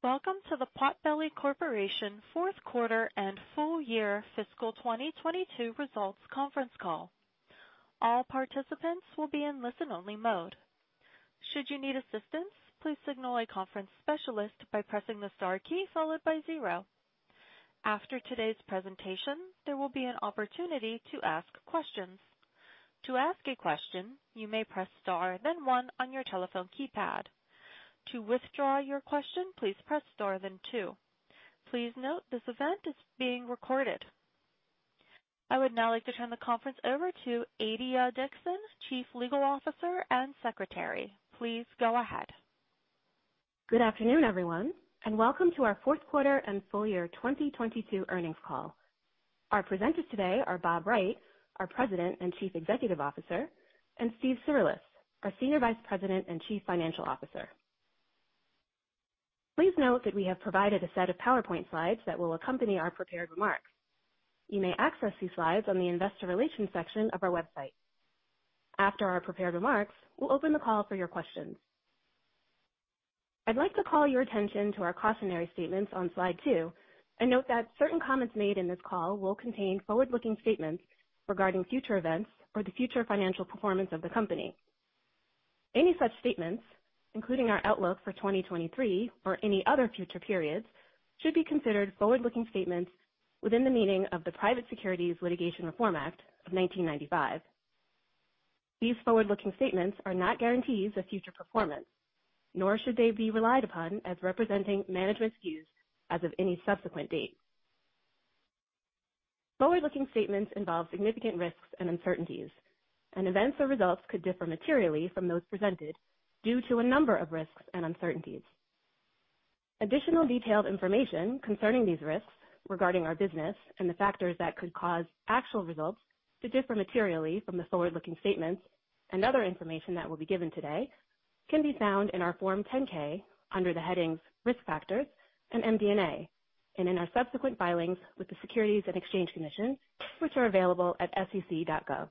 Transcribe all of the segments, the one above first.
Welcome to the Potbelly Corporation fourth quarter and full year fiscal 2022 results conference call. All participants will be in listen-only mode. Should you need assistance, please signal a conference specialist by pressing the star key followed by zero. After today's presentation, there will be an opportunity to ask questions. To ask a question, you may press star then one on your telephone keypad. To withdraw your question, please press star then two. Please note this event is being recorded. I would now like to turn the conference over to Adiya Dixon, Chief Legal Officer and Secretary. Please go ahead. Good afternoon, everyone, and welcome to our fourth quarter and full year 2022 earnings call. Our presenters today are Bob Wright, our President and Chief Executive Officer, and Steve Cirulis, our Senior Vice President and Chief Financial Officer. Please note that we have provided a set of PowerPoint slides that will accompany our prepared remarks. You may access these slides on the investor relations section of our website. After our prepared remarks, we'll open the call for your questions. I'd like to call your attention to our cautionary statements on slide two, and note that certain comments made in this call will contain forward-looking statements regarding future events or the future financial performance of the company. Any such statements, including our outlook for 2023 or any other future periods, should be considered forward-looking statements within the meaning of the Private Securities Litigation Reform Act of 1995. These forward-looking statements are not guarantees of future performance, nor should they be relied upon as representing management's views as of any subsequent date. Forward-looking statements involve significant risks and uncertainties, and events or results could differ materially from those presented due to a number of risks and uncertainties. Additional detailed information concerning these risks regarding our business and the factors that could cause actual results to differ materially from the forward-looking statements and other information that will be given today can be found in our Form 10-K under the headings Risk Factors and MD&A, and in our subsequent filings with the Securities and Exchange Commission, which are available at sec.gov.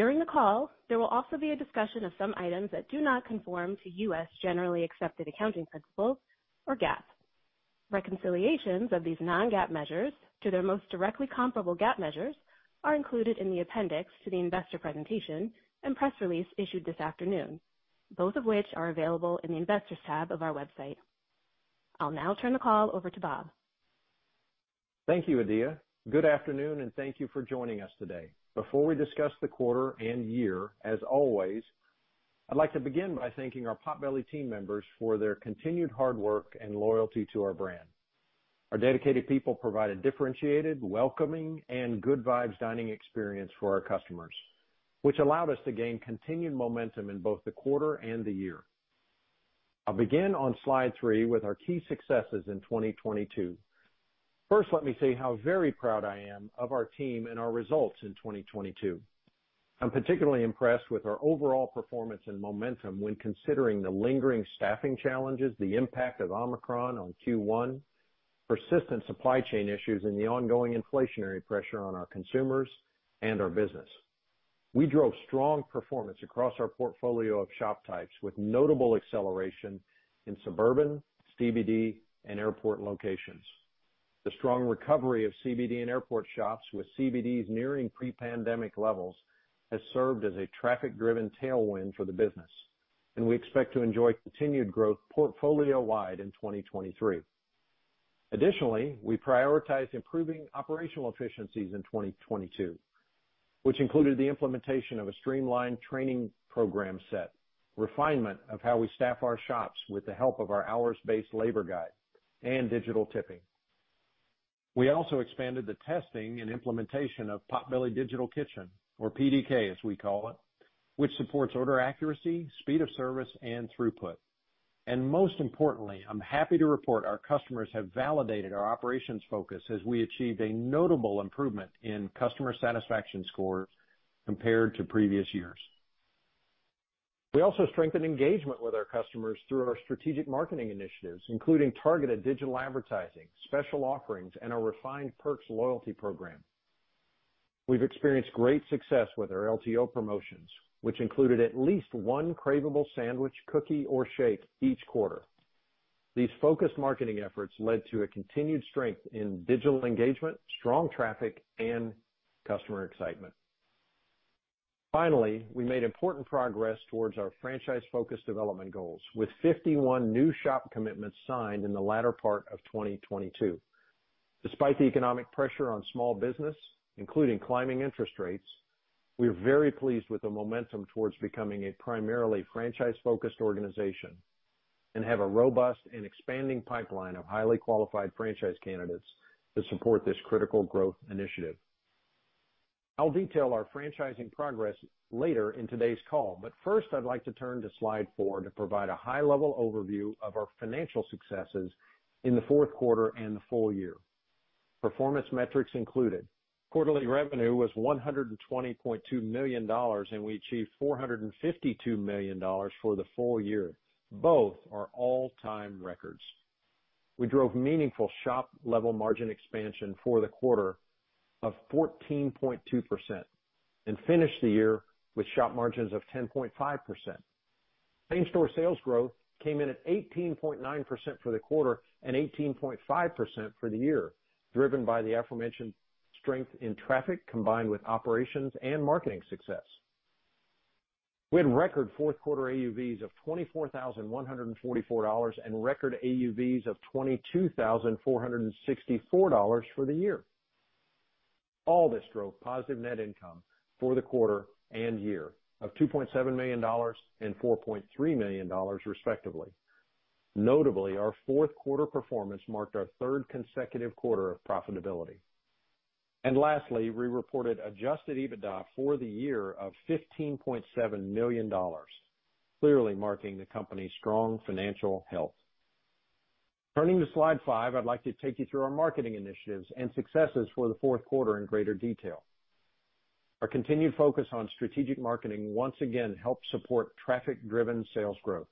During the call, there will also be a discussion of some items that do not conform to U.S. generally accepted accounting principles, or GAAP. Reconciliations of these non-GAAP measures to their most directly comparable GAAP measures are included in the appendix to the investor presentation and press release issued this afternoon, both of which are available in the Investors tab of our website. I'll now turn the call over to Bob. Thank you, Adiya. Good afternoon, thank you for joining us today. Before we discuss the quarter and year, as always, I'd like to begin by thanking our Potbelly team members for their continued hard work and loyalty to our brand. Our dedicated people provide a differentiated, welcoming, and good vibes dining experience for our customers, which allowed us to gain continued momentum in both the quarter and the year. I'll begin on slide 3 with our key successes in 2022. First, let me say how very proud I am of our team and our results in 2022. I'm particularly impressed with our overall performance and momentum when considering the lingering staffing challenges, the impact of Omicron on Q1, persistent supply chain issues, and the ongoing inflationary pressure on our consumers and our business. We drove strong performance across our portfolio of shop types with notable acceleration in suburban, CBD, and airport locations. The strong recovery of CBD and airport shops, with CBDs nearing pre-pandemic levels, has served as a traffic-driven tailwind for the business, and we expect to enjoy continued growth portfolio-wide in 2023. Additionally, we prioritized improving operational efficiencies in 2022, which included the implementation of a streamlined training program set, refinement of how we staff our shops with the help of our hours-based labor guide and digital tipping. We also expanded the testing and implementation of Potbelly Digital Kitchen, or PDK, as we call it, which supports order accuracy, speed of service, and throughput. Most importantly, I'm happy to report our customers have validated our operations focus as we achieved a notable improvement in customer satisfaction scores compared to previous years. We also strengthened engagement with our customers through our strategic marketing initiatives, including targeted digital advertising, special offerings, and our refined Perks loyalty program. We've experienced great success with our LTO promotions, which included at least one craveable sandwich, cookie or shake each quarter. These focused marketing efforts led to a continued strength in digital engagement, strong traffic, and customer excitement. We made important progress towards our franchise-focused development goals with 51 new shop commitments signed in the latter part of 2022. Despite the economic pressure on small business, including climbing interest rates, we are very pleased with the momentum towards becoming a primarily franchise-focused organization and have a robust and expanding pipeline of highly qualified franchise candidates to support this critical growth initiative. First, I'd like to turn to slide four to provide a high-level overview of our financial successes in the fourth quarter and the full year. Performance metrics included. Quarterly revenue was $120.2 million, and we achieved $452 million for the full year. Both are all-time records. We drove meaningful shop level margin expansion for the quarter of 14.2% and finished the year with shop margins of 10.5%. Same-store sales growth came in at 18.9% for the quarter and 18.5% for the year, driven by the aforementioned strength in traffic, combined with operations and marketing success. We had record fourth quarter AUVs of $24,144 and record AUVs of $22,464 for the year. All this drove positive net income for the quarter and year of $2.7 million and $4.3 million, respectively. Notably, our fourth quarter performance marked our third consecutive quarter of profitability. Lastly, we reported adjusted EBITDA for the year of $15.7 million, clearly marking the company's strong financial health. Turning to slide five, I'd like to take you through our marketing initiatives and successes for the fourth quarter in greater detail. Our continued focus on strategic marketing once again helped support traffic-driven sales growth.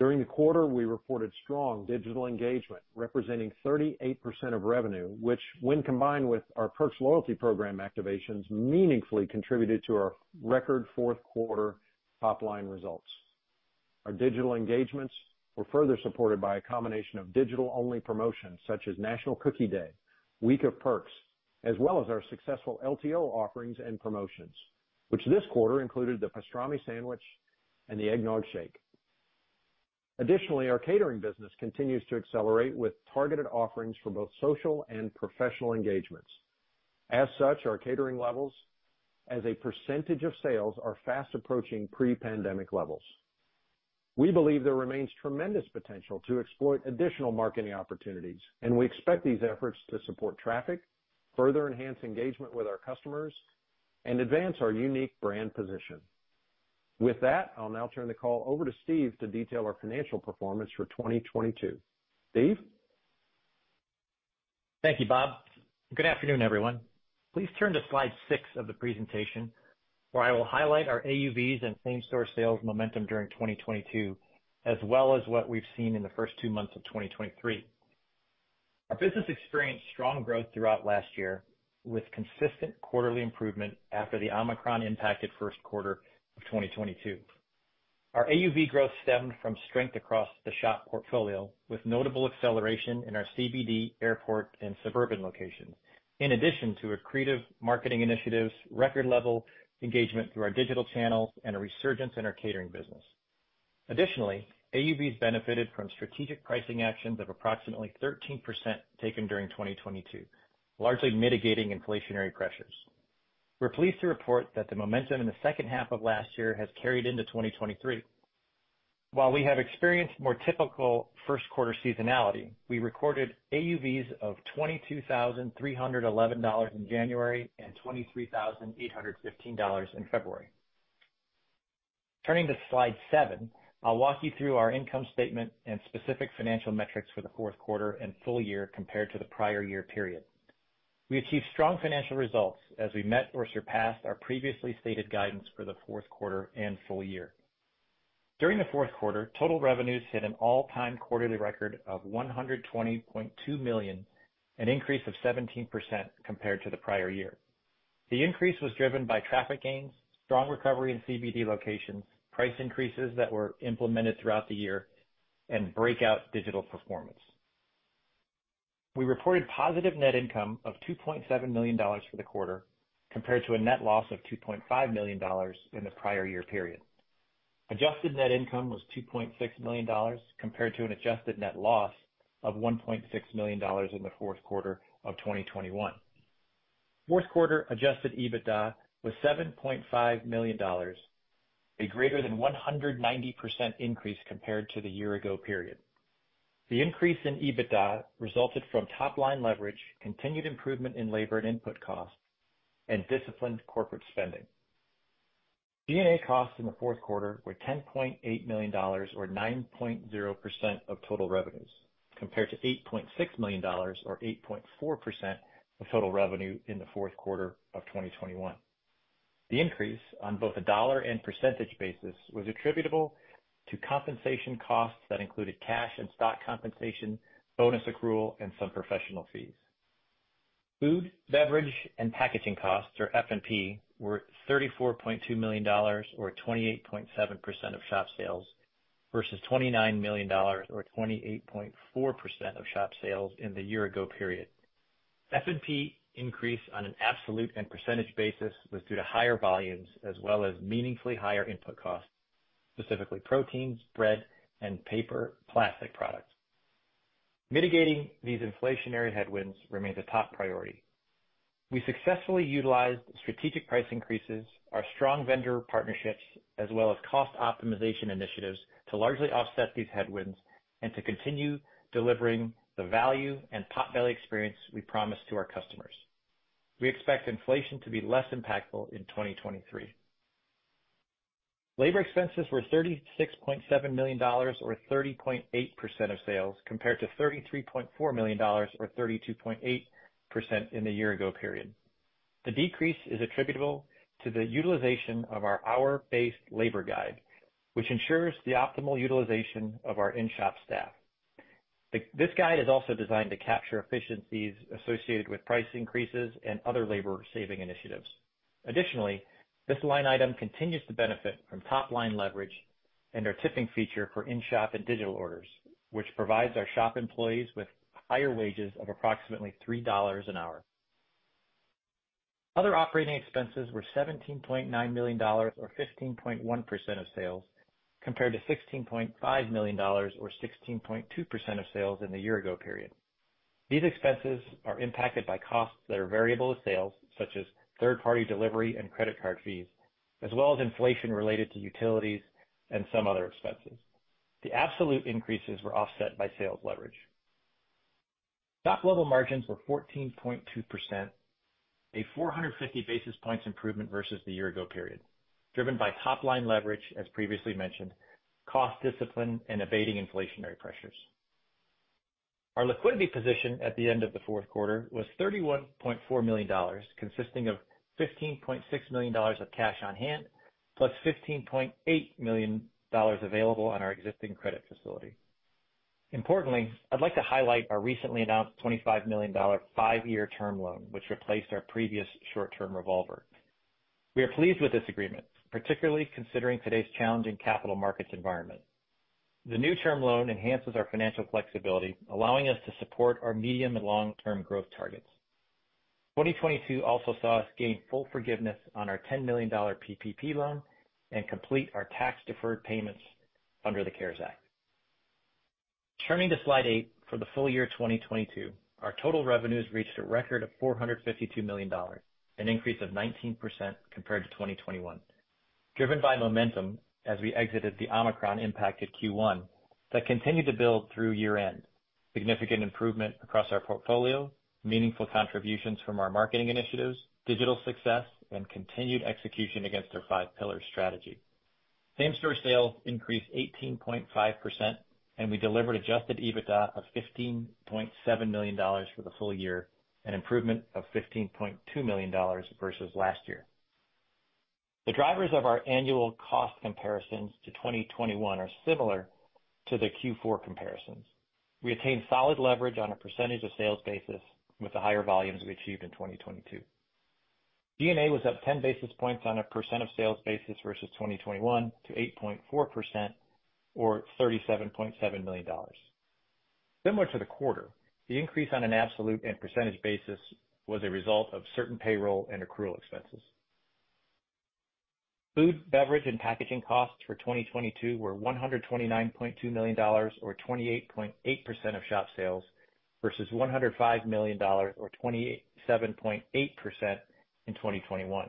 During the quarter, we reported strong digital engagement representing 38% of revenue, which when combined with our Perks loyalty program activations, meaningfully contributed to our record fourth quarter top line results. Our digital engagements were further supported by a combination of digital-only promotions such as National Cookie Day, Week of Perks, as well as our successful LTO offerings and promotions, which this quarter included the pastrami sandwich and the eggnog shake. Additionally, our catering business continues to accelerate with targeted offerings for both social and professional engagements. As such, our catering levels as a percentage of sales are fast approaching pre-pandemic levels. We believe there remains tremendous potential to exploit additional marketing opportunities, and we expect these efforts to support traffic, further enhance engagement with our customers, and advance our unique brand position. With that, I'll now turn the call over to Steve to detail our financial performance for 2022. Steve? Thank you, Bob. Good afternoon, everyone. Please turn to slide six of the presentation, where I will highlight our AUVs and same-store sales momentum during 2022, as well as what we've seen in the first two months of 2023. Our business experienced strong growth throughout last year with consistent quarterly improvement after the Omicron impacted first quarter of 2022. Our AUV growth stemmed from strength across the shop portfolio, with notable acceleration in our CBD, airport, and suburban locations. In addition to accretive marketing initiatives, record level engagement through our digital channels, and a resurgence in our catering business. Additionally, AUVs benefited from strategic pricing actions of approximately 13% taken during 2022, largely mitigating inflationary pressures. We're pleased to report that the momentum in the second half of last year has carried into 2023. While we have experienced more typical first quarter seasonality, we recorded AUVs of $22,311 in January and $23,815 in February. Turning to slide seven, I'll walk you through our income statement and specific financial metrics for the fourth quarter and full year compared to the prior year period. We achieved strong financial results as we met or surpassed our previously stated guidance for the fourth quarter and full year. During the fourth quarter, total revenues hit an all-time quarterly record of $120.2 million, an increase of 17% compared to the prior year. The increase was driven by traffic gains, strong recovery in CBD locations, price increases that were implemented throughout the year, and breakout digital performance. We reported positive net income of $2.7 million for the quarter, compared to a net loss of $2.5 million in the prior year period. Adjusted net income was $2.6 million compared to an adjusted net loss of $1.6 million in the fourth quarter of 2021. Fourth quarter adjusted EBITDA was $7.5 million, a greater than 190% increase compared to the year ago period. The increase in EBITDA resulted from top line leverage, continued improvement in labor and input costs, and disciplined corporate spending. G&A costs in the fourth quarter were $10.8 million or 9.0% of total revenues, compared to $8.6 million or 8.4% of total revenue in the fourth quarter of 2021. The increase on both a dollar and percentage basis was attributable to compensation costs that included cash and stock compensation, bonus accrual, and some professional fees. Food, beverage, and packaging costs, or F&P, were $34.2 million or 28.7% of shop sales versus $29 million or 28.4% of shop sales in the year ago period. F&P increase on an absolute and percentage basis was due to higher volumes as well as meaningfully higher input costs, specifically proteins, bread, and paper plastic products. Mitigating these inflationary headwinds remains a top priority. We successfully utilized strategic price increases, our strong vendor partnerships, as well as cost optimization initiatives to largely offset these headwinds and to continue delivering the value and Potbelly experience we promise to our customers. We expect inflation to be less impactful in 2023. Labor expenses were $36.7 million or 30.8% of sales, compared to $33.4 million or 32.8% in the year ago period. The decrease is attributable to the utilization of our hour-based labor guide, which ensures the optimal utilization of our in-shop staff. This guide is also designed to capture efficiencies associated with price increases and other labor saving initiatives. Additionally, this line item continues to benefit from top line leverage and our tipping feature for in-shop and digital orders, which provides our shop employees with higher wages of approximately $3 an hour. Other operating expenses were $17.9 million or 15.1% of sales, compared to $16.5 million or 16.2% of sales in the year ago period. These expenses are impacted by costs that are variable to sales, such as third party delivery and credit card fees, as well as inflation related to utilities and some other expenses. The absolute increases were offset by sales leverage. Stock level margins were 14.2%, a 450 basis points improvement versus the year ago period, driven by top line leverage, as previously mentioned, cost discipline, and abating inflationary pressures. Our liquidity position at the end of the fourth quarter was $31.4 million, consisting of $15.6 million of cash on hand, +$15.8 million available on our existing credit facility. Importantly, I'd like to highlight our recently announced $25 million five-year term loan, which replaced our previous short-term revolver. We are pleased with this agreement, particularly considering today's challenging capital markets environment. The new term loan enhances our financial flexibility, allowing us to support our medium and long-term growth targets. 2022 also saw us gain full forgiveness on our $10 million PPP loan and complete our tax deferred payments under the CARES Act. Turning to slide eight, for the full year 2022, our total revenues reached a record of $452 million, an increase of 19% compared to 2021. Driven by momentum as we exited the Omicron impacted Q1 that continued to build through year-end. Significant improvement across our portfolio, meaningful contributions from our marketing initiatives, digital success, and continued execution against our five pillar strategy. Same-store sales increased 18.5%. We delivered adjusted EBITDA of $15.7 million for the full year, an improvement of $15.2 million versus last year. The drivers of our annual cost comparisons to 2021 are similar to the Q4 comparisons. We attained solid leverage on a percentage of sales basis with the higher volumes we achieved in 2022. G&A was up 10 basis points on a percent of sales basis versus 2021 to 8.4% or $37.7 million. Similar to the quarter, the increase on an absolute and percentage basis was a result of certain payroll and accrual expenses. Food, beverage, and packaging costs for 2022 were $129.2 million or 28.8% of shop sales versus $105 million or 27.8% in 2021.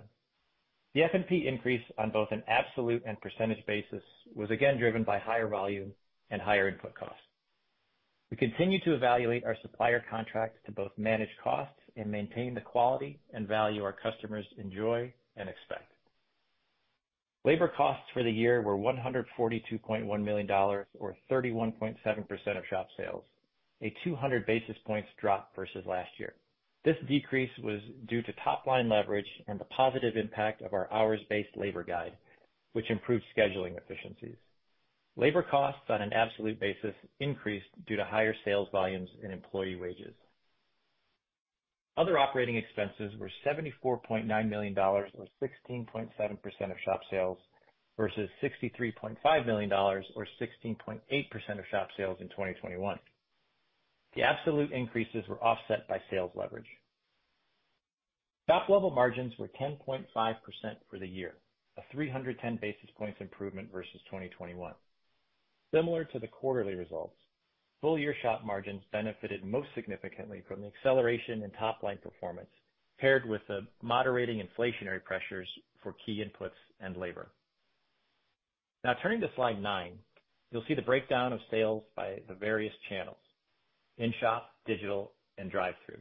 The F&P increase on both an absolute and percentage basis was again driven by higher volume and higher input costs. We continue to evaluate our supplier contracts to both manage costs and maintain the quality and value our customers enjoy and expect. Labor costs for the year were $142.1 million or 31.7% of shop sales, a 200 basis points drop versus last year. This decrease was due to top line leverage and the positive impact of our hours-based labor guide, which improved scheduling efficiencies. Labor costs on an absolute basis increased due to higher sales volumes and employee wages. Other operating expenses were $74.9 million or 16.7% of shop sales versus $63.5 million or 16.8% of shop sales in 2021. The absolute increases were offset by sales leverage. Shop level margins were 10.5% for the year, a 310 basis points improvement versus 2021. Similar to the quarterly results, full year shop margins benefited most significantly from the acceleration in top line performance paired with the moderating inflationary pressures for key inputs and labor. Turning to slide nine, you'll see the breakdown of sales by the various channels, in shop, digital, and drive-thru.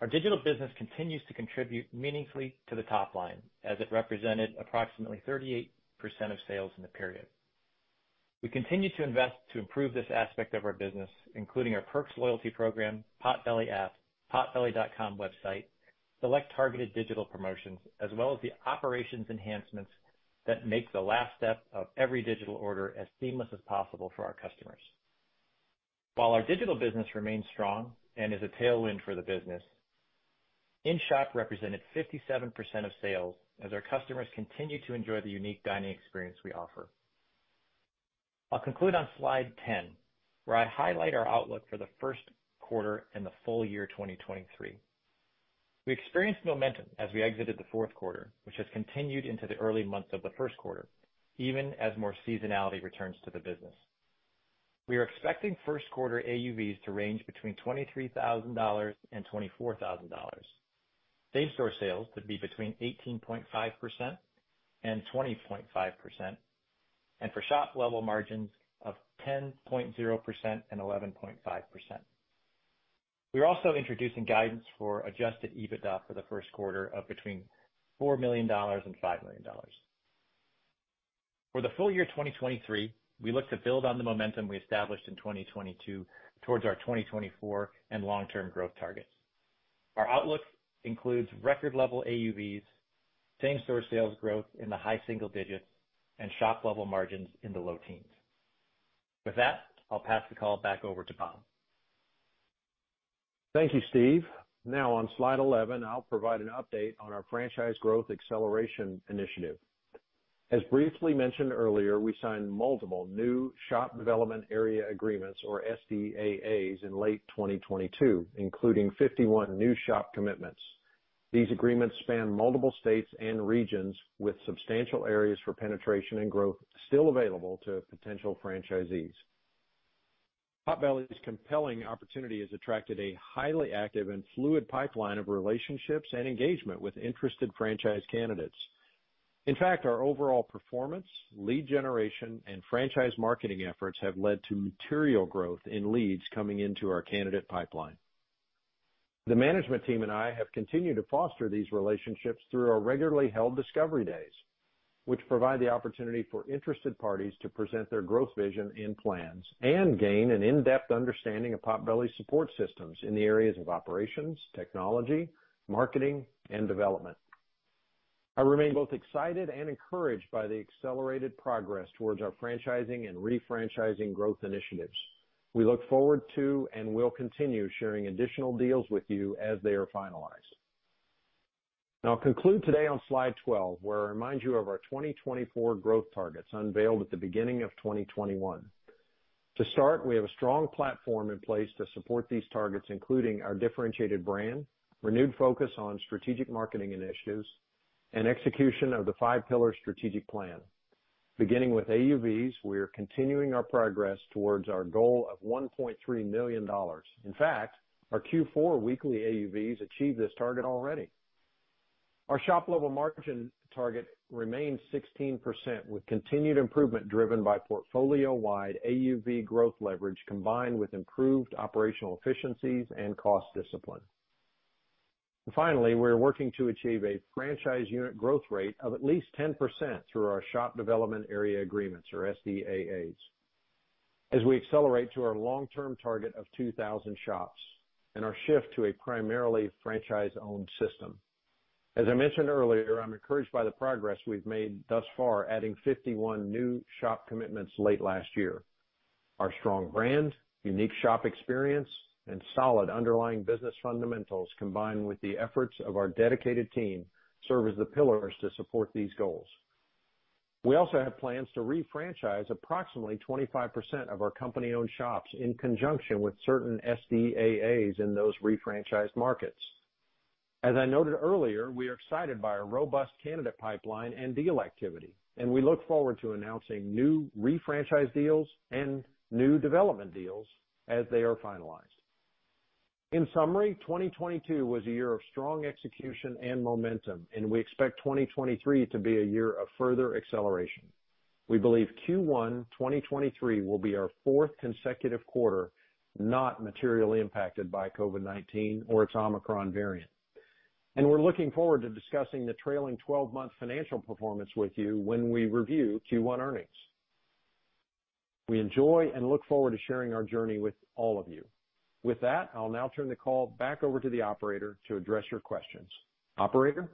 Our digital business continues to contribute meaningfully to the top line as it represented approximately 38% of sales in the period. We continue to invest to improve this aspect of our business, including our Perks loyalty program, Potbelly app, potbelly.com website, select targeted digital promotions, as well as the operations enhancements that make the last step of every digital order as seamless as possible for our customers. Our digital business remains strong and is a tailwind for the business, in shop represented 57% of sales as our customers continue to enjoy the unique dining experience we offer. I'll conclude on slide 10, where I highlight our outlook for the first quarter and the full year 2023. We experienced momentum as we exited the fourth quarter, which has continued into the early months of the first quarter, even as more seasonality returns to the business. We are expecting first quarter AUVs to range between $23,000 and $24,000. Same-store sales to be between 18.5% and 20.5%, and for shop level margins of 10.0%-11.5%. We are also introducing guidance for adjusted EBITDA for the first quarter of between $4 million and $5 million. For the full year 2023, we look to build on the momentum we established in 2022 towards our 2024 and long-term growth targets. Our outlook includes record level AUVs, same-store sales growth in the high single digits, and shop level margins in the low teens. With that, I'll pass the call back over to Bob. Thank you, Steve. On slide 11, I'll provide an update on our franchise growth acceleration initiative. As briefly mentioned earlier, we signed multiple new shop development area agreements or SDAAs in late 2022, including 51 new shop commitments. These agreements span multiple states and regions with substantial areas for penetration and growth still available to potential franchisees. Potbelly's compelling opportunity has attracted a highly active and fluid pipeline of relationships and engagement with interested franchise candidates. Our overall performance, lead generation, and franchise marketing efforts have led to material growth in leads coming into our candidate pipeline. The management team and I have continued to foster these relationships through our regularly held discovery days, which provide the opportunity for interested parties to present their growth vision and plans and gain an in-depth understanding of Potbelly's support systems in the areas of operations, technology, marketing, and development. I remain both excited and encouraged by the accelerated progress towards our franchising and refranchising growth initiatives. We look forward to and will continue sharing additional deals with you as they are finalized. I'll conclude today on slide 12, where I remind you of our 2024 growth targets unveiled at the beginning of 2021. To start, we have a strong platform in place to support these targets, including our differentiated brand, renewed focus on strategic marketing initiatives, and execution of the five pillar strategic plan. Beginning with AUVs, we are continuing our progress towards our goal of $1.3 million. In fact, our Q4 weekly AUVs achieved this target already. Our shop level margin target remains 16% with continued improvement driven by portfolio-wide AUV growth leverage combined with improved operational efficiencies and cost discipline. Finally, we're working to achieve a franchise unit growth rate of at least 10% through our Shop Development Area Agreements or SDAAs as we accelerate to our long-term target of 2,000 shops and our shift to a primarily franchise-owned system. I mentioned earlier, I'm encouraged by the progress we've made thus far, adding 51 new shop commitments late last year. Our strong brand, unique shop experience, and solid underlying business fundamentals combined with the efforts of our dedicated team serve as the pillars to support these goals. We also have plans to refranchise approximately 25% of our company-owned shops in conjunction with certain SDAAs in those refranchised markets. I noted earlier, we are excited by our robust candidate pipeline and deal activity, and we look forward to announcing new refranchise deals and new development deals as they are finalized. In summary, 2022 was a year of strong execution and momentum, and we expect 2023 to be a year of further acceleration. We believe Q1 2023 will be our fourth consecutive quarter, not materially impacted by COVID-19 or its Omicron variant. We're looking forward to discussing the trailing twelve-month financial performance with you when we review Q1 earnings. We enjoy and look forward to sharing our journey with all of you. With that, I'll now turn the call back over to the operator to address your questions. Operator?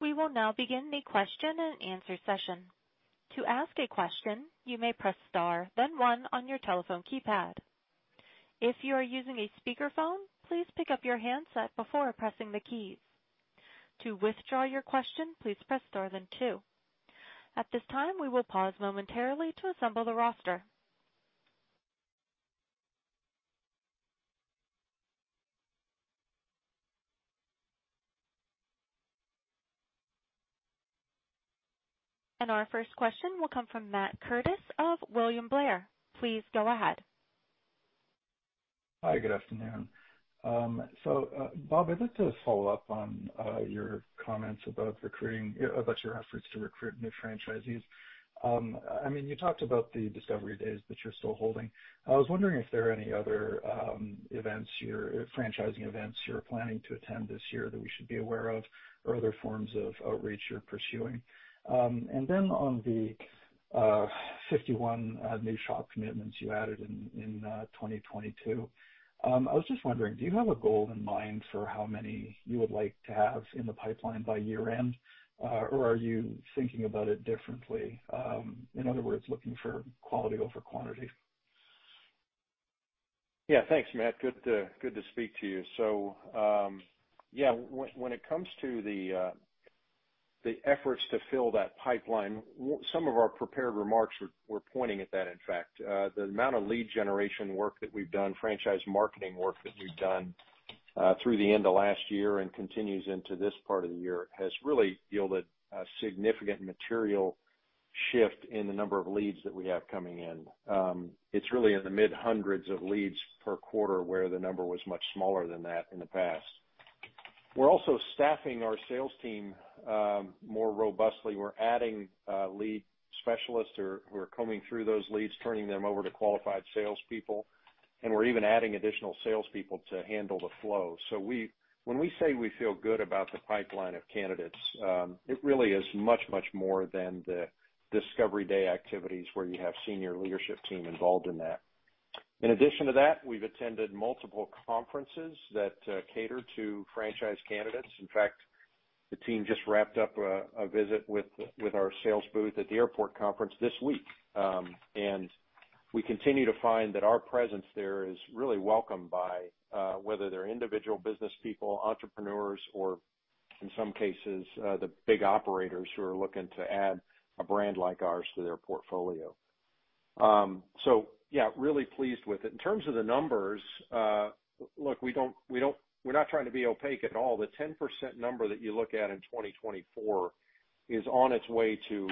We will now begin the question and answer session. To ask a question, you may press star then one on your telephone keypad. If you are using a speakerphone, please pick up your handset before pressing the keys. To withdraw your question, please press star then two. At this time, we will pause momentarily to assemble the roster. Our first question will come from Matt Curtis of William Blair. Please go ahead. Hi. Good afternoon. Bob, I'd like to follow up on your comments about recruiting, about your efforts to recruit new franchisees. I mean, you talked about the discovery days that you're still holding. I was wondering if there are any other franchising events you're planning to attend this year that we should be aware of or other forms of outreach you're pursuing. On the 51 new shop commitments you added in 2022, I was just wondering, do you have a goal in mind for how many you would like to have in the pipeline by year-end? Are you thinking about it differently? In other words, looking for quality over quantity. Thanks, Matt. Good to speak to you. When it comes to the efforts to fill that pipeline, some of our prepared remarks were pointing at that in fact. The amount of lead generation work that we've done, franchise marketing work that we've done, through the end of last year and continues into this part of the year has really yielded a significant material shift in the number of leads that we have coming in. It's really in the mid-hundreds of leads per quarter where the number was much smaller than that in the past. We're also staffing our sales team more robustly. We're adding lead specialists who are combing through those leads, turning them over to qualified salespeople. We're even adding additional sales people to handle the flow. When we say we feel good about the pipeline of candidates, it really is much, much more than the Discovery Day activities where you have senior leadership team involved in that. In addition to that, we've attended multiple conferences that cater to franchise candidates. In fact, the team just wrapped up a visit with our sales booth at the airport conference this week. We continue to find that our presence there is really welcomed by, whether they're individual business people, entrepreneurs, or in some cases, the big operators who are looking to add a brand like ours to their portfolio. Yeah, really pleased with it. In terms of the numbers, look, we're not trying to be opaque at all. The 10% number that you look at in 2024 is on its way to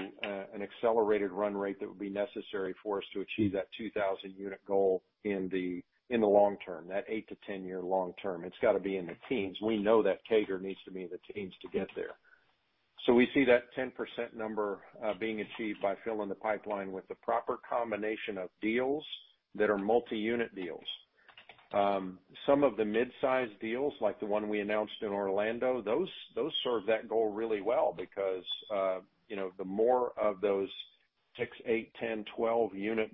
an accelerated run rate that would be necessary for us to achieve that 2,000 unit goal in the, in the long term, that eight year-10 year long term. It's gotta be in the teens. We know that cater needs to be in the teens to get there. We see that 10% number being achieved by filling the pipeline with the proper combination of deals that are multi-unit deals. Some of the mid-sized deals, like the one we announced in Orlando, those serve that goal really well because, you know, the more of those six, eight, 10, 12 unit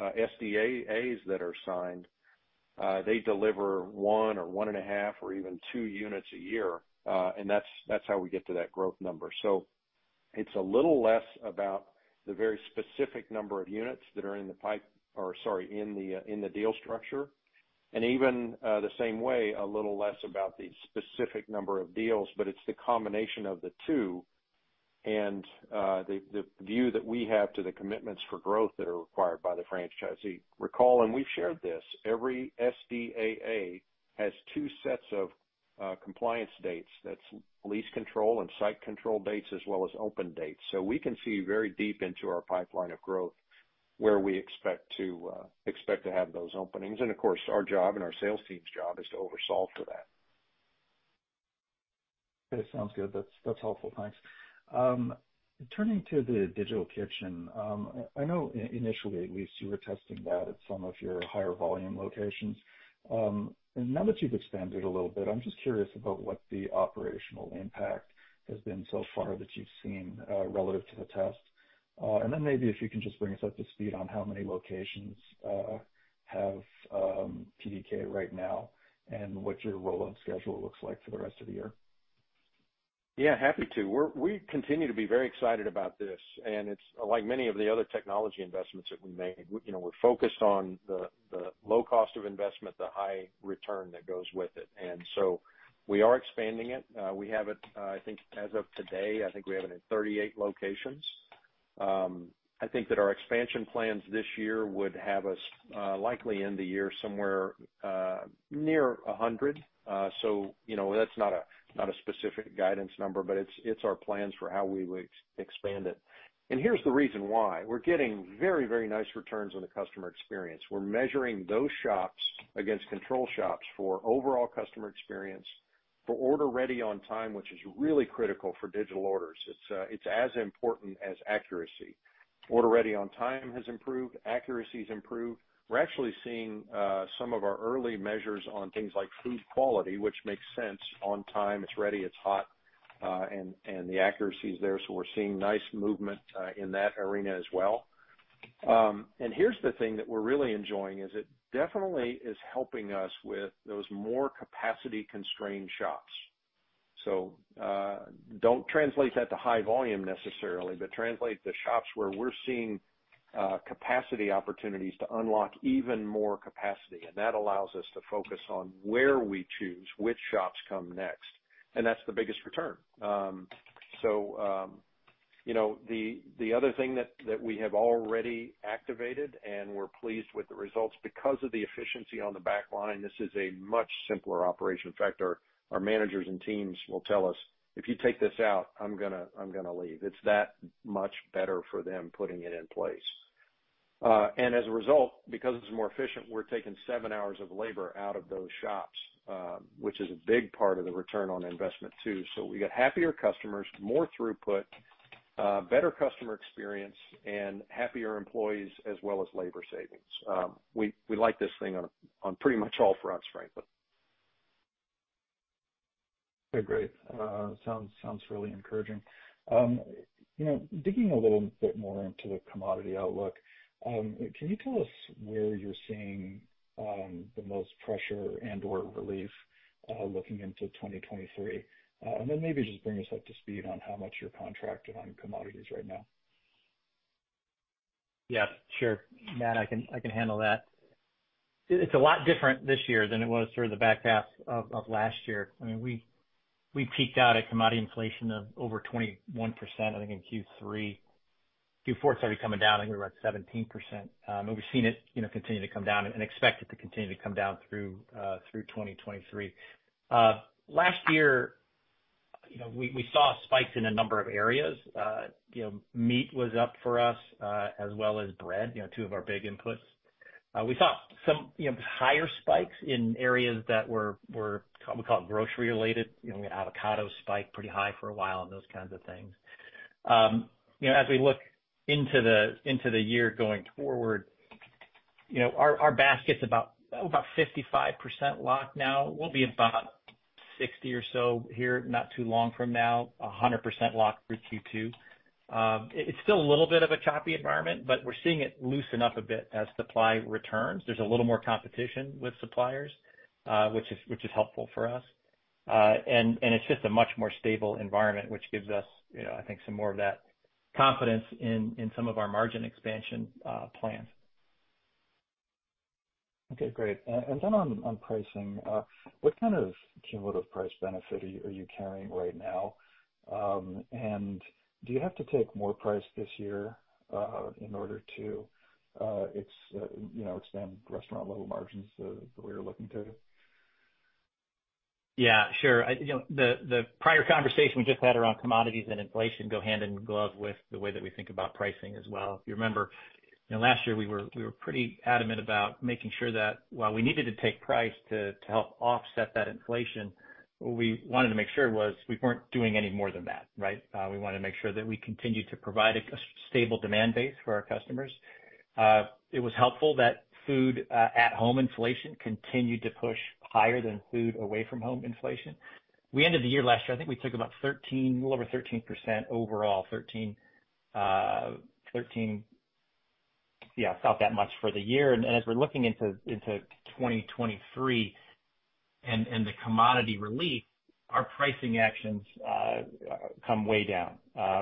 SDAAs that are signed, they deliver 1 or 1.5 or even 2 units a year. That's, that's how we get to that growth number. It's a little less about the very specific number of units that are in the deal structure, and even, the same way, a little less about the specific number of deals, but it's the combination of the two and the view that we have to the commitments for growth that are required by the franchisee. Recall, and we've shared this, every SDAA has two sets of compliance dates. That's lease control and site control dates, as well as open dates. We can see very deep into our pipeline of growth where we expect to have those openings. Of course, our job and our sales team's job is to oversolve for that. Sounds good. That's helpful. Thanks. Turning to the Digital Kitchen, I know initially, at least, you were testing that at some of your higher volume locations. Now that you've expanded a little bit, I'm just curious about what the operational impact has been so far that you've seen, relative to the test. Then maybe if you can just bring us up to speed on how many locations have PDK right now and what your roll-out schedule looks like for the rest of the year? Yeah, happy to. We continue to be very excited about this. It's like many of the other technology investments that we made. You know, we're focused on the low cost of investment, the high return that goes with it. We are expanding it. We have it, I think as of today, I think we have it in 38 locations. I think that our expansion plans this year would have us likely end the year somewhere near 100. You know, that's not a specific guidance number, but it's our plans for how we would expand it. Here's the reason why. We're getting very nice returns on the customer experience. We're measuring those shops against control shops for overall customer experience, for order ready on time, which is really critical for digital orders. It's as important as accuracy. Order ready on time has improved. Accuracy's improved. We're actually seeing some of our early measures on things like food quality, which makes sense. On time, it's ready, it's hot, and the accuracy is there. We're seeing nice movement in that arena as well. Here's the thing that we're really enjoying, is it definitely is helping us with those more capacity-constrained shops. Don't translate that to high volume necessarily, but translate to shops where we're seeing capacity opportunities to unlock even more capacity. That allows us to focus on where we choose which shops come next. That's the biggest return. You know, the other thing that we have already activated and we're pleased with the results because of the efficiency on the back line, this is a much simpler operation. In fact, our managers and teams will tell us, "If you take this out, I'm gonna leave." It's that much better for them putting it in place. As a result, because it's more efficient, we're taking seven hours of labor out of those shops, which is a big part of the return on investment too. We got happier customers, more throughput, better customer experience, and happier employees as well as labor savings. We like this thing on pretty much all fronts, frankly. Okay, great. sounds really encouraging. you know, digging a little bit more into the commodity outlook, can you tell us where you're seeing the most pressure and/or relief looking into 2023? Maybe just bring us up to speed on how much you're contracted on commodities right now. Yeah, sure. Matt, I can handle that. It's a lot different this year than it was through the back half of last year. I mean, we peaked out at commodity inflation of over 21%, I think in Q3. Q4 started coming down, I think we're at 17%. We've seen it, you know, continue to come down and expect it to continue to come down through 2023. Last year, you know, we saw spikes in a number of areas. Meat was up for us, as well as bread, you know, two of our big inputs. We saw some, you know, higher spikes in areas that were we call it grocery related. You know, avocado spiked pretty high for a while and those kinds of things. You know, as we look into the year going forward, you know, our basket's about 55% locked now. We'll be about 60% or so here not too long from now, 100% locked through Q2. It's still a little bit of a choppy environment, but we're seeing it loosen up a bit as supply returns. There's a little more competition with suppliers, which is helpful for us. It's just a much more stable environment, which gives us, you know, I think some more of that confidence in some of our margin expansion plans. Okay, great. Then on pricing, what kind of cumulative price benefit are you carrying right now? Do you have to take more price this year, in order to, you know, expand restaurant level margins the way you're looking to? Yeah, sure. You know, the prior conversation we just had around commodities and inflation go hand in glove with the way that we think about pricing as well. If you remember, you know, last year we were pretty adamant about making sure that while we needed to take price to help offset that inflation, what we wanted to make sure was we weren't doing any more than that, right? We wanna make sure that we continue to provide a stable demand base for our customers. It was helpful that food at home inflation continued to push higher than food away from home inflation. We ended the year last year, I think we took about 13%, a little over 13% overall. 13%. Yeah, about that much for the year. As we're looking into 2023 and the commodity relief, our pricing actions come way down.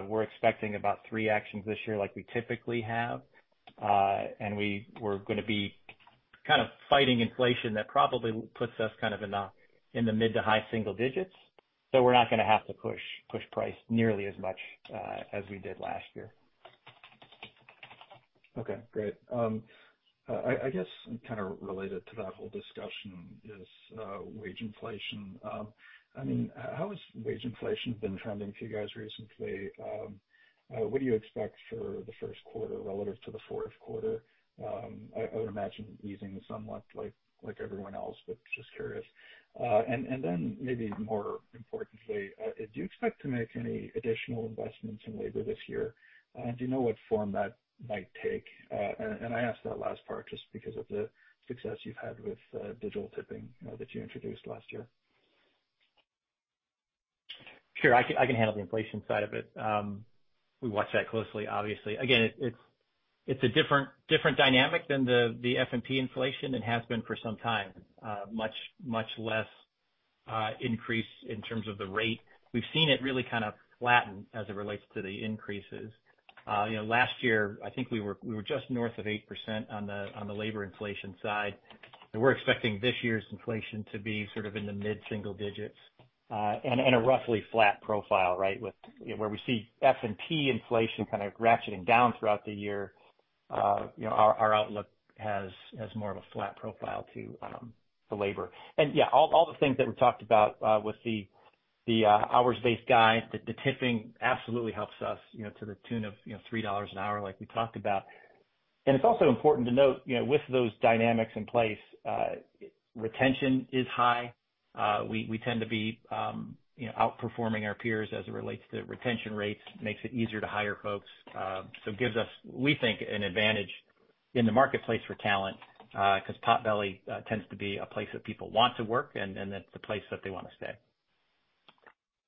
We're expecting about three actions this year like we typically have, and we're gonna be kind of fighting inflation that probably puts us kind of in the mid to high single digits. We're not gonna have to push price nearly as much as we did last year. Okay, great. I guess kind of related to that whole discussion is wage inflation. I mean, how has wage inflation been trending for you guys recently? What do you expect for the first quarter relative to the fourth quarter? I would imagine easing somewhat like everyone else, but just curious. Then maybe more importantly, do you expect to make any additional investments in labor this year? Do you know what form that might take? I ask that last part just because of the success you've had with digital tipping that you introduced last year. Sure. I can handle the inflation side of it. We watch that closely, obviously. Again, it's a different dynamic than the S&P inflation and has been for some time. Much less increase in terms of the rate. We've seen it really kind of flatten as it relates to the increases. You know, last year I think we were just north of 8% on the labor inflation side, and we're expecting this year's inflation to be sort of in the mid-single digits, and a roughly flat profile, right? With, you know, where we see S&P inflation kind of ratcheting down throughout the year, you know, our outlook has more of a flat profile to the labor. Yeah, all the things that we talked about, with the, hours-based guide, the tipping absolutely helps us, you know, to the tune of, you know, $3 an hour, like we talked about. It's also important to note, you know, with those dynamics in place, retention is high. We, we tend to be, you know, outperforming our peers as it relates to retention rates. Makes it easier to hire folks. So gives us, we think, an advantage in the marketplace for talent, 'cause Potbelly tends to be a place that people want to work and it's a place that they wanna stay.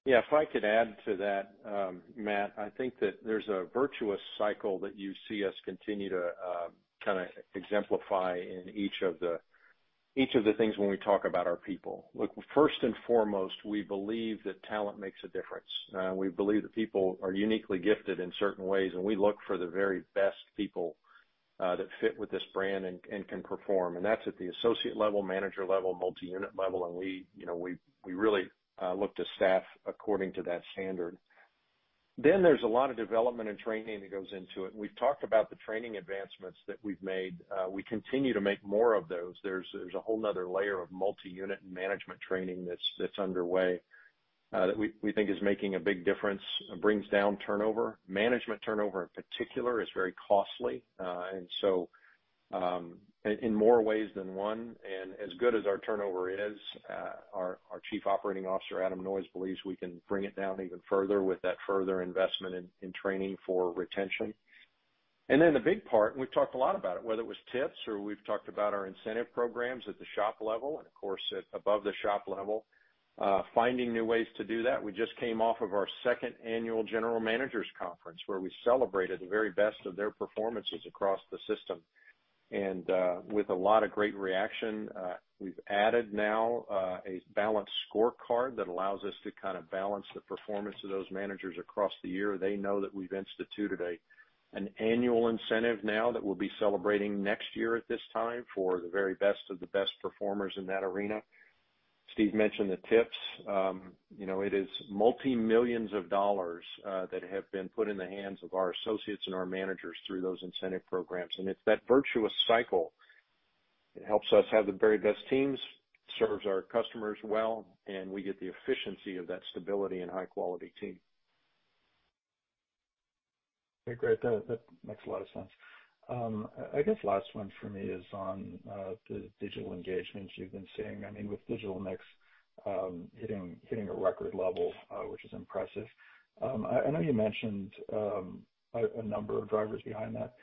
Yeah. If I could add to that, Matt, I think that there's a virtuous cycle that you see us continue to kinda exemplify in each of the things when we talk about our people. Look, first and foremost, we believe that talent makes a difference. We believe that people are uniquely gifted in certain ways, and we look for the very best people that fit with this brand and can perform. That's at the associate level, manager level, multi-unit level. We, you know, we really look to staff according to that standard. Then there's a lot of development and training that goes into it. We've talked about the training advancements that we've made. We continue to make more of those. There's a whole nother layer of multi-unit management training that's underway that we think is making a big difference. It brings down turnover. Management turnover in particular is very costly. In more ways than one. As good as our turnover is, our Chief Operating Officer, Adam Noyes, believes we can bring it down even further with that further investment in training for retention. The big part, we've talked a lot about it, whether it was tips or we've talked about our incentive programs at the shop level and of course, at above the shop level, finding new ways to do that. We just came off of our second annual general managers conference, where we celebrated the very best of their performances across the system. With a lot of great reaction, we've added now a balanced scorecard that allows us to kind of balance the performance of those managers across the year. They know that we've instituted a, an annual incentive now that we'll be celebrating next year at this time for the very best of the best performers in that arena. Steve mentioned the tips. You know, it is multi-millions of dollars that have been put in the hands of our associates and our managers through those incentive programs. It's that virtuous cycle. It helps us have the very best teams, serves our customers well, and we get the efficiency of that stability and high quality team. Okay, great. That makes a lot of sense. I guess last one for me is on the digital engagements you've been seeing. I mean, with digital mix hitting a record level, which is impressive. I know you mentioned a number of drivers behind that,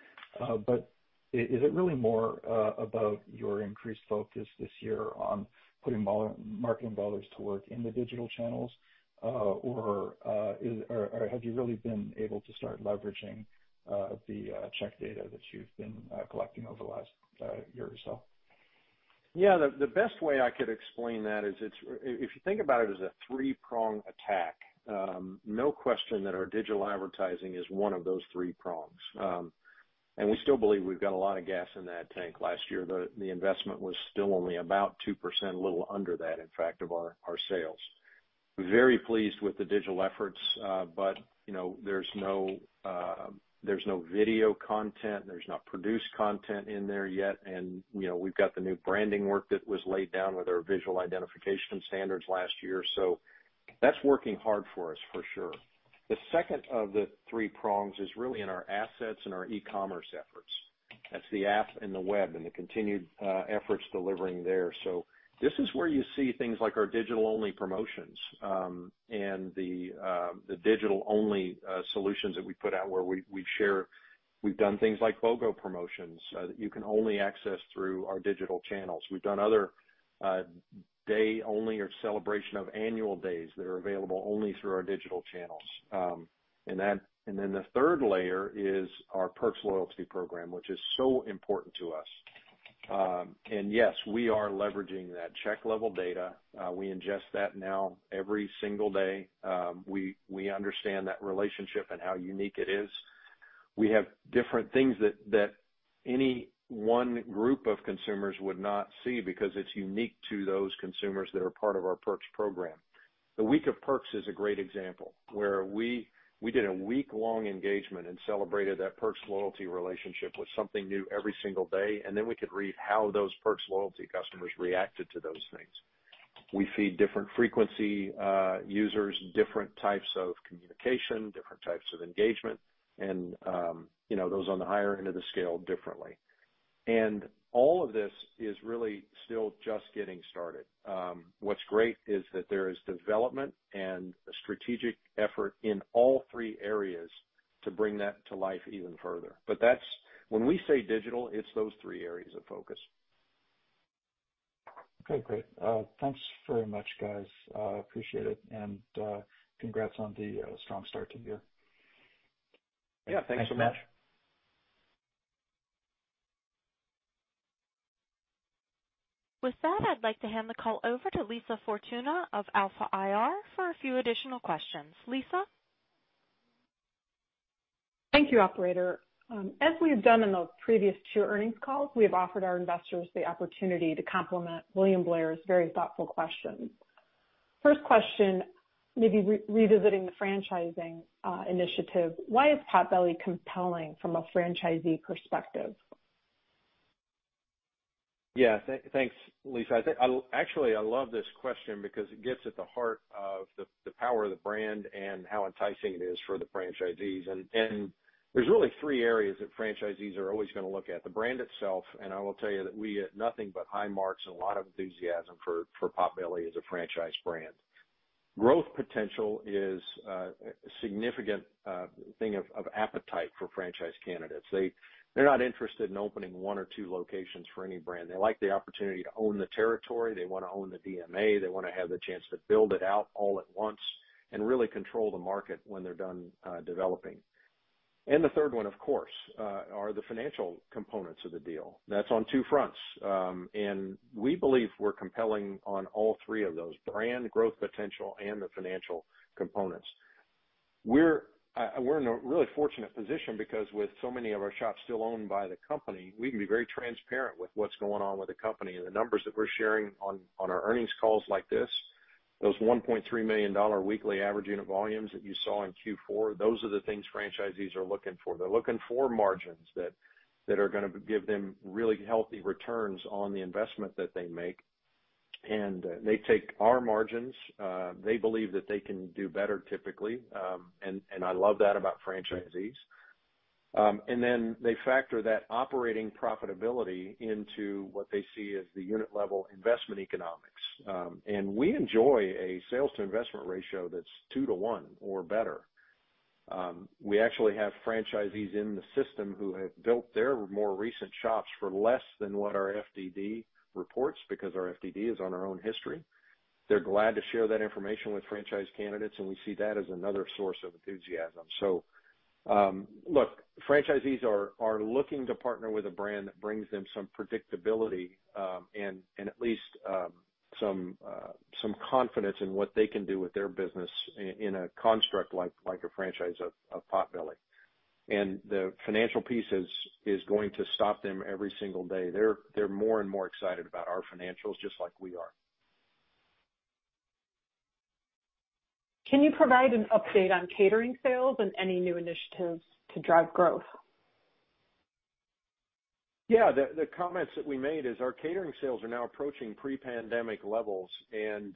but is it really more about your increased focus this year on putting marketing dollars to work in the digital channels, or have you really been able to start leveraging the check data that you've been collecting over the last year or so? Yeah. The best way I could explain that is if you think about it as a three-prong attack, no question that our digital advertising is one of those three prongs. We still believe we've got a lot of gas in that tank. Last year, the investment was still only about 2%, a little under that, in fact, of our sales. Very pleased with the digital efforts, you know, there's no video content, there's not produced content in there yet. You know, we've got the new branding work that was laid down with our visual identification standards last year. That's working hard for us for sure. The second of the three prongs is really in our assets and our e-commerce efforts. That's the app and the web and the continued efforts delivering there. This is where you see things like our digital-only promotions, and the digital-only solutions that we put out where we share. We've done things like BOGO promotions that you can only access through our digital channels. We've done other day-only or celebration of annual days that are available only through our digital channels. The third layer is our Perks Loyalty program, which is so important to us. Yes, we are leveraging that check level data. We ingest that now every single day. We understand that relationship and how unique it is. We have different things that any one group of consumers would not see because it's unique to those consumers that are part of our Perks program. The Week of Perks is a great example, where we did a week-long engagement and celebrated that Perks Loyalty relationship with something new every single day, and then we could read how those Perks Loyalty customers reacted to those things. We feed different frequency users, different types of communication, different types of engagement, you know, those on the higher end of the scale differently. All of this is really still just getting started. What's great is that there is development and a strategic effort in all three areas to bring that to life even further. That's when we say digital, it's those three areas of focus. Okay, great. Thanks very much, guys. Appreciate it, and congrats on the strong start to the year. Yeah. Thanks so much. Thanks, Matt. With that, I'd like to hand the call over to Lisa Fortuna of Alpha IR for a few additional questions. Lisa? Thank you, operator. As we have done in those previous two earnings calls, we have offered our investors the opportunity to complement William Blair's very thoughtful questions. First question, maybe revisiting the franchising initiative. Why is Potbelly compelling from a franchisee perspective? Yeah. Thanks, Lisa. Actually, I love this question because it gets at the heart of the power of the brand and how enticing it is for the franchisees. There's really three areas that franchisees are always gonna look at. The brand itself, and I will tell you that we get nothing but high marks and a lot of enthusiasm for Potbelly as a franchise brand. Growth potential is a significant thing of appetite for franchise candidates. They're not interested in opening one or two locations for any brand. They like the opportunity to own the territory. They wanna own the DMA. They wanna have the chance to build it out all at once and really control the market when they're done developing. The third one, of course, are the financial components of the deal. That's on two fronts. We believe we're compelling on all three of those: brand, growth potential, and the financial components. We're in a really fortunate position because with so many of our shops still owned by the company, we can be very transparent with what's going on with the company. The numbers that we're sharing on our earnings calls like this, those $1.3 million weekly average unit volumes that you saw in Q4, those are the things franchisees are looking for. They're looking for margins that are gonna give them really healthy returns on the investment that they make. They take our margins, they believe that they can do better typically, and I love that about franchisees. They factor that operating profitability into what they see as the unit level investment economics. We enjoy a sales to investment ratio that's 2:1 or better. We actually have franchisees in the system who have built their more recent shops for less than what our FDD reports because our FDD is on our own history. They're glad to share that information with franchise candidates, and we see that as another source of enthusiasm. Look, franchisees are looking to partner with a brand that brings them some predictability, and at least some confidence in what they can do with their business in a construct like a franchise of Potbelly. The financial piece is going to stop them every single day. They're more and more excited about our financials just like we are. Can you provide an update on catering sales and any new initiatives to drive growth? The comments that we made is our catering sales are now approaching pre-pandemic levels, and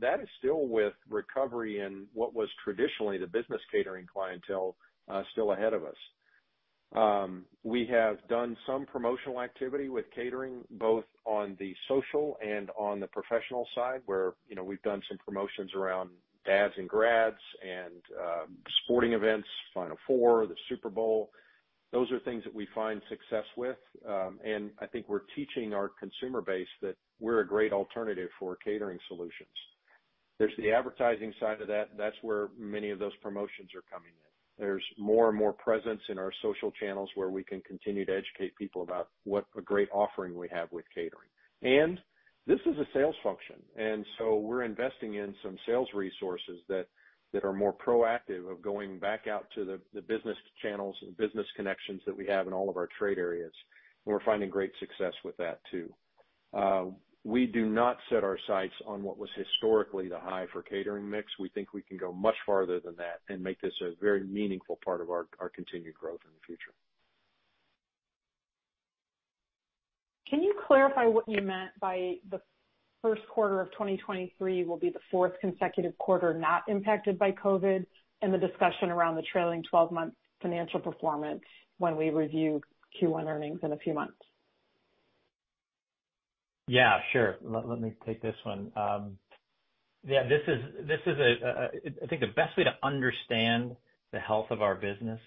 that is still with recovery in what was traditionally the business catering clientele, still ahead of us. We have done some promotional activity with catering, both on the social and on the professional side, where, you know, we've done some promotions around dads and grads and sporting events, Final Four, the Super Bowl. Those are things that we find success with, and I think we're teaching our consumer base that we're a great alternative for catering solutions. There's the advertising side of that. That's where many of those promotions are coming in. There's more and more presence in our social channels where we can continue to educate people about what a great offering we have with catering. This is a sales function. We're investing in some sales resources that are more proactive of going back out to the business channels and business connections that we have in all of our trade areas. We're finding great success with that too. We do not set our sights on what was historically the high for catering mix. We think we can go much farther than that and make this a very meaningful part of our continued growth in the future. Can you clarify what you meant by the first quarter of 2023 will be the fourth consecutive quarter not impacted by COVID, and the discussion around the trailing twelve-month financial performance when we review Q1 earnings in a few months? Sure. Let me take this one. This is, I think the best way to understand the health of our business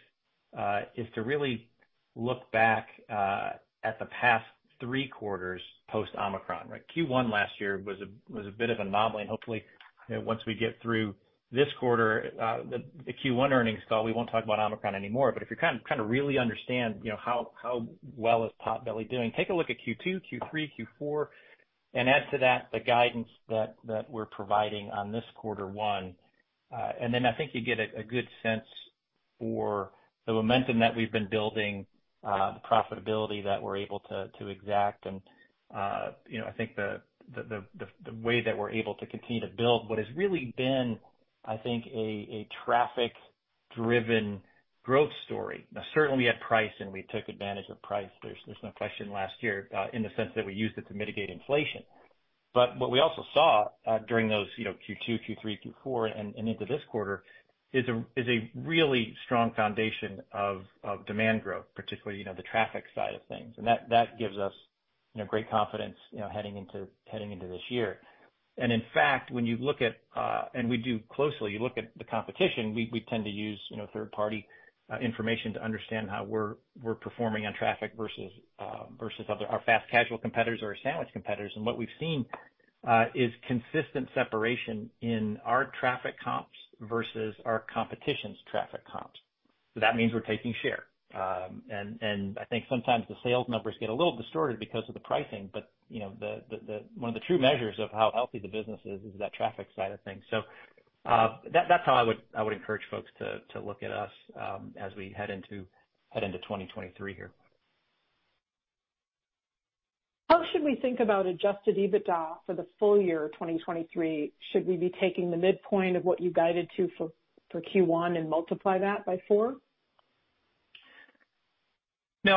is to really look back at the past three quarters post-Omicron, right? Q1 last year was a bit of an anomaly, and hopefully, you know, once we get through this quarter, the Q1 earnings call, we won't talk about Omicron anymore. If you're kind of really understand, you know, how well is Potbelly doing, take a look at Q2, Q3, Q4, and add to that the guidance that we're providing on this quarter one. Then I think you get a good sense for the momentum that we've been building, the profitability that we're able to exact and, you know, I think the way that we're able to continue to build what has really been, I think, a traffic-driven growth story. Now, certainly, we had price and we took advantage of price. There's no question last year, in the sense that we used it to mitigate inflation. What we also saw, during those, you know, Q2, Q3, Q4, and into this quarter is a really strong foundation of demand growth, particularly, you know, the traffic side of things. That gives us, you know, great confidence, you know, heading into this year. In fact, when you look at, and we do closely, you look at the competition, we tend to use, you know, third party information to understand how we're performing on traffic versus our fast casual competitors or our sandwich competitors. What we've seen is consistent separation in our traffic comps versus our competition's traffic comps. That means we're taking share. And I think sometimes the sales numbers get a little distorted because of the pricing, but, you know, the one of the true measures of how healthy the business is that traffic side of things. That's how I would encourage folks to look at us as we head into 2023 here. How should we think about adjusted EBITDA for the full year of 2023? Should we be taking the midpoint of what you guided to for Q1 and multiply that by four? No,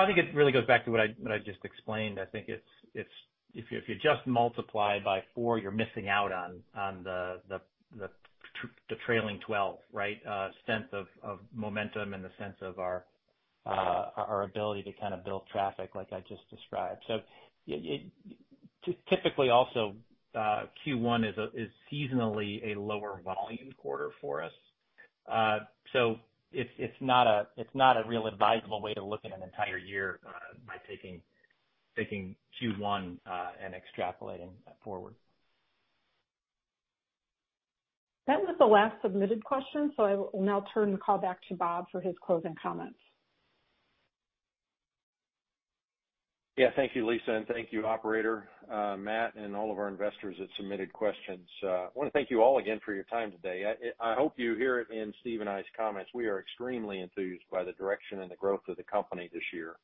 I think it really goes back to what I just explained. I think it's, if you just multiply by four, you're missing out on the trailing 12, right, sense of momentum in the sense of our ability to kind of build traffic like I just described. It typically also Q1 is seasonally a lower volume quarter for us. It's not a real advisable way to look at an entire year by taking Q1 and extrapolating that forward. That was the last submitted question, so I will now turn the call back to Bob for his closing comments. Yeah. Thank you, Lisa, and thank you, operator, Matt, and all of our investors that submitted questions. I wanna thank you all again for your time today. I hope you hear it in Steve and I's comments. We are extremely enthused by the direction and the growth of the company this year.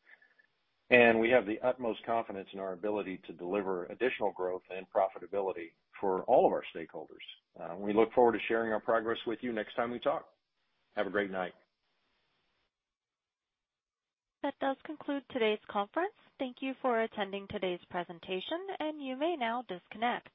We have the utmost confidence in our ability to deliver additional growth and profitability for all of our stakeholders. We look forward to sharing our progress with you next time we talk. Have a great night. That does conclude today's conference. Thank you for attending today's presentation, and you may now disconnect.